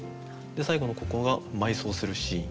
最後のここが埋葬するシーン。